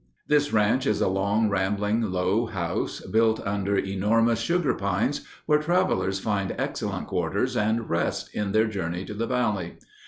This ranch is a long, rambling, low house, built under enormous sugar pines, where travelers find excellent quarters and rest in their journey to the Valley.